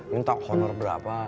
minta honor berapa